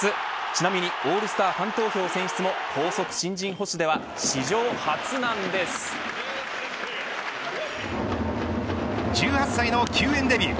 ちなみにオールスターファン投票選出も高卒新人捕手では１８歳の球宴デビュー。